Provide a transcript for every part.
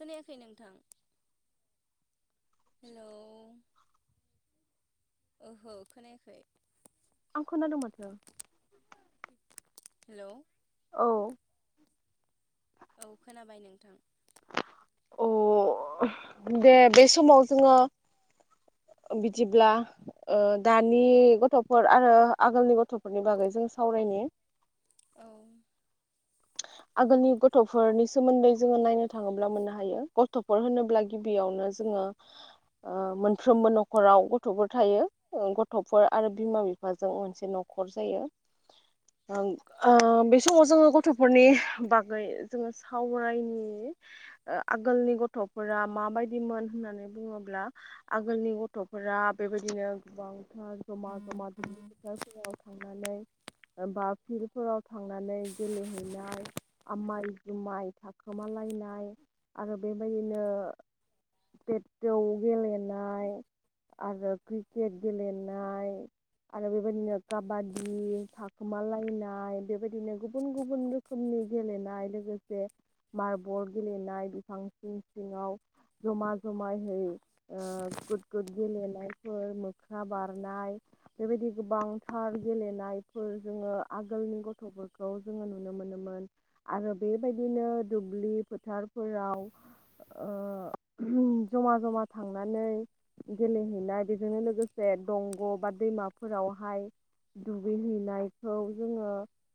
खोनायाखै नोंथां हेलौ ओहो खोनायाखै आं खोनादों माथो हेलौ औ औ खोनाबाय नोंथां अ दे बे समाव जोङो बिदिब्ला ओ दानि गथ'फोर आरो आगोलनि गथ'फोरनि बागै जों सा सावरायनि औ आगोलनि गथ'फोरनि सोमोनदै जोङो नायनो थाङोब्ला मोननो हायो गथ'फोर होनोब्ला गिबियावनो जोङो ओ मोनफ्रोमबो न'खराव गथ'फोर थायो ओ गथ'फोर आरो बिमा बिफाजों मोनसे न'खर जायो ओम ओ बे समाव जोङो गथ'फोरनि बागै जोङो सावरायनि ओ आगोलनि गथ'फोरा माबायदिमोन होननानै बुङोब्ला आगोलनि गथ'फोरा बेबायदिनो गोबां ओ ज'मा ज'मा दुब्लि फोथारफोराव था नानै बा फिल्डफोराव थांनानै गेलेहैनाय आमाइ जुमाय थाखोमालायनाय आरो बेबायदिनो पेटटौ गेलेनाय आरो क्रिकेट गेलेनाय आरो बेबायदिनो काबादि, थाखोमालायनाय बेबायदिनो गुबुन गुबुन रोखोमनि गेलेनाय लोगोसे मारबल गेलेनाय बिफांनि सिङाव ज'मा ज' माहै ओ गुद गुद गेलेनायफोर मोख्रा बारनाय बेबायदि गोबांथार गेलेनायफोर जोङो आगोलनि गथ'फोरखौ जोङो नुनो मोनोमोन आरो बेबायदिनो दुब्लि फोथारफोराव ओ [unintelligible] ज'मा ज'मा थांनानै गेलेहैनाय बेजोंनो लोगोसे दंग' बा दैमाफोरावहाय दुगैहैनायखौ जोङो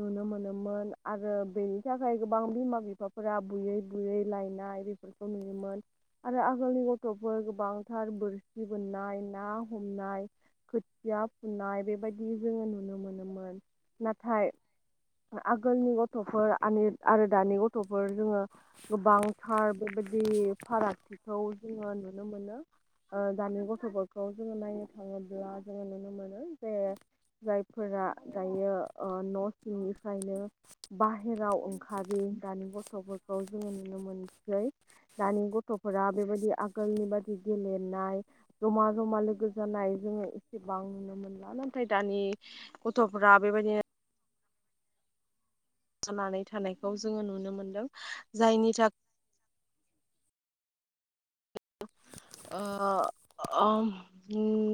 नुनो मोनोमोन आरो बिनि थाखाय गोबां बिमा-बिफाफोरा बुयै बुयै लायनाय बेफोरखौ नुयोमोन आरो आगोलनि गथ'फोर गोबांथार बोरसि बोननाय, ना हमनाय खोथिया फुनाय बेबायदि जोङो नुनो मोनोमोन नाथाय आगोलनि गथ थ'फोर आनिर आरो दानि गथ'फोर जोङो गोबांथार बेबायदि फाराग खौ जोङो नुनो मोनो। ओ दानि गथ'फोरखौ जोङो नायनो थाङोब्ला जोङो नुनो मोनो जे जायफोरा दायो ओ न' सिंनिफ्रायनो बाहेराव ओंखारि दानि गथ'फोरखौ जोङो नुनो मोनसै दानि गथ'फोरा बेबायदि आगोलनि बादि गेलेनाय ज'मा ज'मा लोगो जानाय जोङो एसेबां नुनो मोनला नाथाय दानि गथ'फोरा बेबायदि नानै थानायखौ जोङो नुनो मोनदों जायनि थाखाय ओ ओम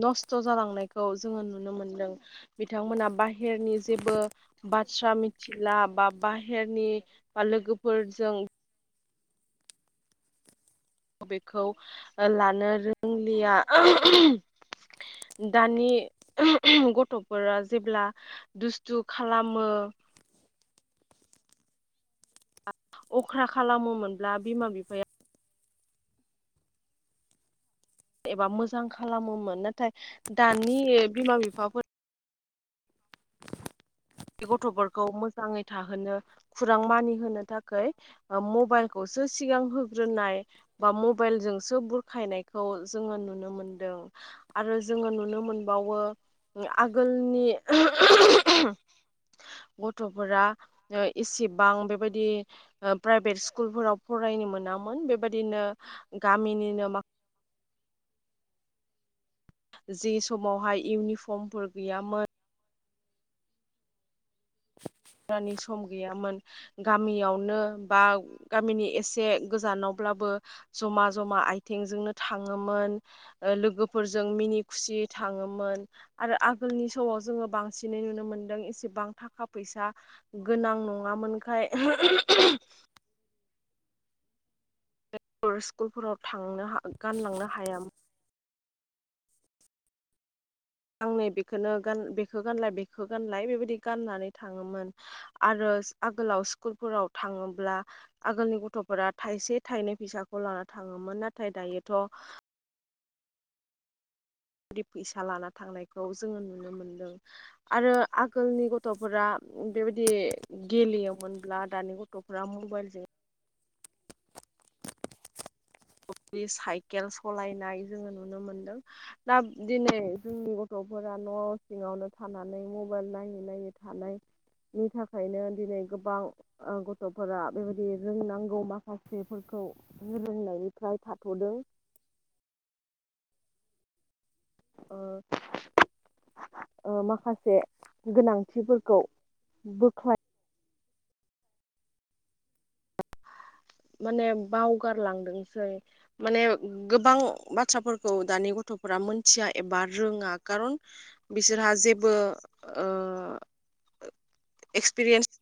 नस्त'' जालांनायखौ जोङो नुनो मोनदों बिथांमोना बाहेर नि जेबो बाथ्रा मिथिला बा बाहेरनि लोगोफोरजों बेखौ लानो रोंलिया [unintelligible] दानि [unintelligible] गथ'फोरा जेब्ला दुस्थु खालामो औ अख्रा खालामोमोनब्ला बिमा बिफाया एबा मोजां खालामोमोन नाथाय दानि बिमा बिफाफोर गथ'फोरखौ मोजाङै थाहोनो खुरां मानिहोनो थाखाय ओ मबाइलखौ सो सिगां होग्रोनाय बा मबाइलजोंसो बुरखायनायखौ जोङो नुनो मोनदों आरो जोङो नुनो मोनबावो आगोलनि गथ'फोरा ओ इसेबां बेबायदि प्राइभेट स्कुलफोराव फरायनो मोनामोन बेबायदिनो गामिनिनो माखासे जि समावहाय इउनिफर्मफोर गैयामोन [inaudible] रानि सम गैयामोन गामियावनो बा गामिनि एसे गोजानाव ब्लाबो ज'मा ज'मा आथेंजोंनो थाङोमोन ओ लोगोफोरजों मिनि खुसि थाङोमोन आरो आगोलनि समाव जोङो बांसिनै नुनो मोनदों एसेबां थाखा फैसा गोनां नङामोनखाय बे स्कुलफोराव थांनो गानलांनो हायाबो आं नै बेखौनो बेखौ गानलाय बेखौ गानलाय बेबायदि गाननानै थाङोमोन आरो आगोलाव स्कुलफोराव थाङोब्ला आगोलनि गथ'फोरा थाइसे थाइनै फैसाखौ लानानै थां थाङोमोन नाथाय दायोथ' बेबायदि फैसा लाना थांनायखौ जोङो नुनो मोनदों आरो आगोलनि गथ'फोरा बेबायदि गेलेयोमोनब्ला दानि गथ'फ्रा मबाइलजों [inaudible] साइकेल सालायनाय जोङो नुनो मोनदों दा दिनै जोंनि गथ' गथ'फोरा न' सिङावनो थानानै मबाइल नायै नायै थानाय नि थाखायनो दिनै गोबां गथ'फोरा बेबायदि रोंनांगौ माखासेफोरखौ खौ रोंनायनिफ्राय थाथ'दों ओ ओ माखासे गोनांथिफोरखौ बोख्लाय माने बावगारलांदोंसै माने गोबां बाथ्राफोरखौ खौ दानि गथ'फोरा मोनथिया एबा रोङा खारन बिसोरहा जेबो ओ एक्सपिरियेन्स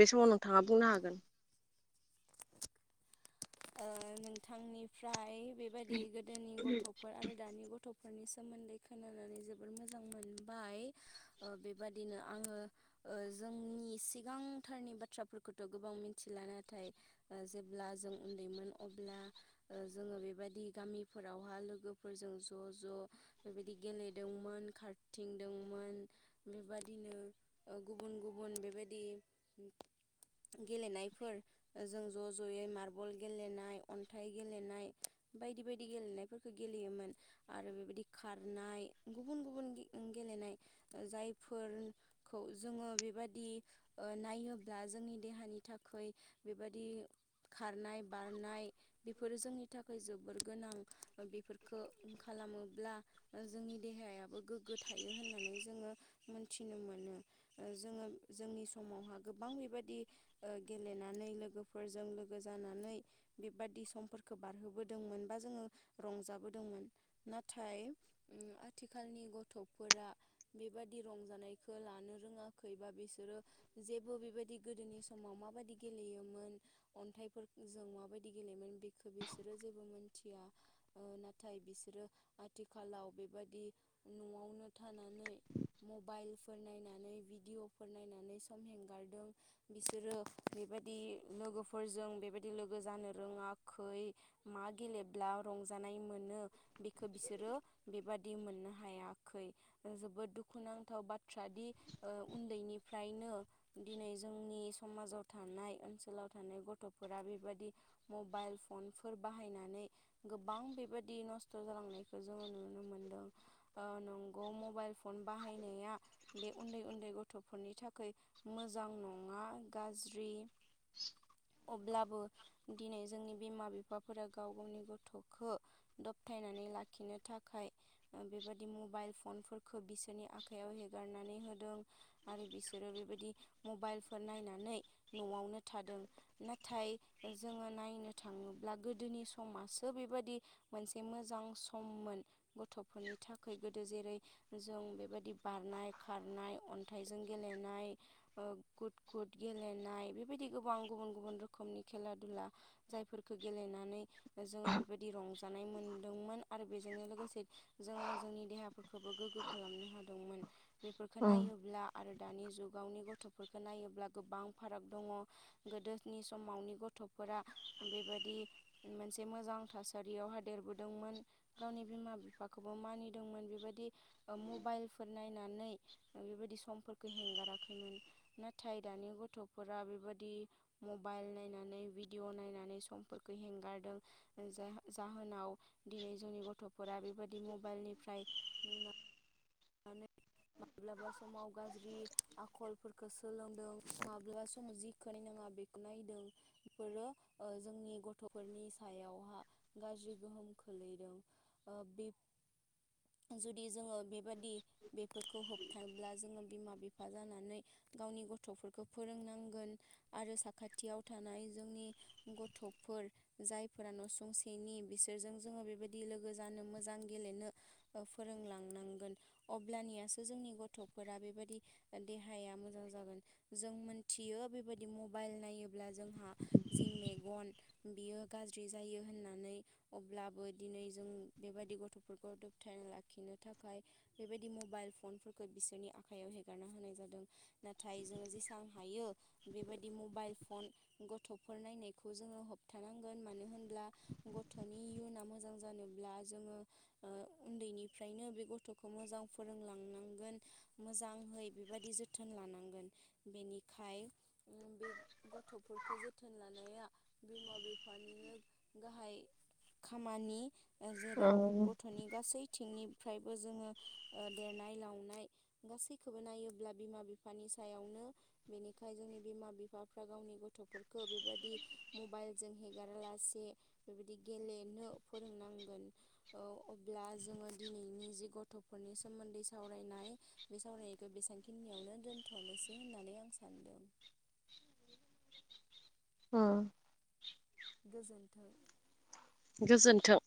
बे समाव नोंथाङा बुंनो हागोन ओ नोंथांनिफ्राय बेबायदि गोदोनि गथ'फोर आरो दानि गथ'फोर फोरफोरनि सोमोनदै खोनानानै जोबोर मोजां मोनबाय बेबादिनो आङो जोंनि सिगांथारनि बाथ्राफोरखौथ' गोबां मिथिला नाथाय जेब्ला जों उनदैमोन अब्ला ओ जोङो बेबायदि गामिफोरावहा लोगोफोरजों ज' ज' बेबायदि गेलेदोंमोन खारथिंदोंमोन बेबादिनो ओ गुबुन गुबुन बेबाय दि गेलेनोफोर जों ज' ज'यै मार बल गेलेनाय अनथाइ गेलेनाय बायदि बायदि गेलेनायफोरखौ गेलेयोमोन आरो बेबाय दि खारनाय गुबुन गुबुन गेलेनाय जायफोरखौ जोङो बेबादि ओ नायोब्ला जोंनि देहानि थाखाय बेबादि खारनाय बारनाय बेफोरो जोंनि थाखाय जोबोर गोनां बेफोरखौ खालामोब्ला जोंनि देहायाबो गोग्गो थायो होननानै जोङो मोनथिनो मोनो ओ जोङो जोंनि समावहा गोबां बेबायदि ओ गेलेनानै लोगोफोरजों लोगो जानानै बेबादि समफोरखौ बारहोबोदोंमोन बा जोङो रंजोदोंमोन नाथाय ओम आथिखालनि गथ'फोरा बेबादि रंजानायखौ लानो रों रोङाखैबा बिसोरो जेबो बेबायदि गोदोनि समाव माबायदि गेलेयोमोन अनथाइफोर जों माबायदि गेलेयोमोन बेखौ बिसोरो जेबो मिथिया नाथाय बिसोर रो आथिखालाव बेबायाददि न'आवनो थानानै मबाइल फोर नायनानै भिडिअफोर नायनानै सम हेंगारदों बिसोरो बेबायदि लोगोफोर फोरजों बेबायदि लोगो जानो रोङाखै मा गेलेब्ला रंजानाय मोनो बेखौ बिसोरो बेबादि मोननो हायाख खै जोबोद दुखुनांथाव बाथ्रा दि उन्दैनिफ्रायनो दिनै जोंनि समाजाव थानाय ओनसोलाव थानाय गथ'फोरा बेबायदि मबाइल फनफोर बाहायनानै गोबां बेबायदि नसत' जालांनायखौ जों नुनो मोनदों ओ नंगौ मबाइल फन फन बाहायनाया बे उनदै उनदै गथ'फोरनि थाखाय मोजां नङा गाज्रि [inaudible] अब्लाबो दिनै जोंनि बिमा बिफाफोरा गाव गावनि गथ'खौ दबथायनानै लाखिनो थाखाय बेबायादि मबाइल फनफोरखौ बिसोरनि आखायाव हेगारनानै होदों आरो बिसोरो बेबायदि मबाइलफोर नायनानै न'आवनो थादों नाथाय जोङो नायनो थाङोब्ला गोदोनि समासो बेबायदि मोनसे मोजां सममोन गथ'फोरनि थाखाय गोदो जेरै जों बेबायदि बारनाय खारनाय अन्थाइजों गेलेनाय गुद गुद गेलेनाय बेबायदि गोबां गुबुन गुबुन रोखोमनि खेला दुला जायफोरखौ गेलेनानै जों बेबायदि रं जानाय मोनदोंमोन आरो बेजोंनो लोगोसे जोङो जोंनि देहाफोरखौबो गोगो खालामनो हादोंमोन बेफोरखौ ओम नायोब्ला आरो दानि जुगावनि गथ'फोरखौ नायोब्ला गोबां फाराग दङ गोदोनि समावनि गथ'फोरा बेबायदि मोनसे मोजां थासारियाव हा देरबोदोंमोन गावनि बिमा बिफाखौबो मानिदोंमोन बेबायदि मबाइलफोर नायनाय नायनानै बेबायदि समफोरखौ हेंगाराखैमोन नाथाय दानि गथ'फोरा बे बिदि मबाइल नायनानै भिडिअ' नायनानै समफोरखौ हेंगारदों जा जाहोनाव दिनै जोंनि गथ'फोरा बेबायदि मबाइलनिफ्राय नुनानै माब्लाबा समाव गाज्रि आखलफोरखौ सोलोंदों माब्लाबा समाव जिखौ नायनाङा बेखौ नायदों बेफोरो जोंनि गथ'फोरनि सायावहा गाज्रि गोहोम खोलैदों बे बे बायदि बेफोरखौ होबथाबोब्ला जों बिमा बिफा फा जानानै गावनि गथ'फोरखौ फोरोंनांगोन आरो साखाथियाव थानाय जोंनि गथ'फोर जायफोरा न' सुंसेनि बिसोरजों जोङो बेबायदि लोगो जानो मोजां गेलेनो फोरोंलांनांगोन अब्लानियासो जोंनि गथ'फोरा बेबायदि देहाया मोजां जागोन जों मोनथि यो बेबायदि मबाइल नायोब्ला जोंहा जि मेगन बियो गाज्रि जायो होन होननानै अब्लाबो दिनै जों बेबायदि गथ'फोरखौ दबथायना लाखिनो थाखाय बेबायदि मबाइल फनफोरखौ बिसोरनि आखाइायाव हेगारना होनाय जादों नाथाय जोङो जेसां हायो बेबायदि मबाइल फन गथ'फोर नायनायखौ जोङो होबथानांगोन मानो होनब्ला गथ'नि इयुना मोजां जानो उनदैनिफ्रायनो बे गथ' खौ मोजां फोरोंलांनांगोन मोजांहै बेबायदि जोथोन लानांगोन बेनिखायनो य बे गथ'फोरखौ जोथोन लानाया बिमा बिफानिनो गाहाय खामानि जेराव ओम गथ'नि गासैथिंनिफ्रायबो जोङो देरनाय लावनाय गासैखौबो नायोब्ला बिमा बिफानि सायावनो बेनि थाखाय जोंनि बिमा बिफाफ्रा गावनि गथ'फोरखौ बेबायदि मबाइलजों हेगारालासे बेबायदि गेलेनो फोरोंनांगोन अब्ला जोङो दिनैनि जि गथ' गथ'फोरनि सोमोन्दै सावरायनाय बे सावरायनायखौ बेसांखिनियावनो दोन्थ'नोसै होननानै आं सानो नदों अ गोजोन्थों गोजोन्थों